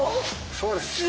そうです。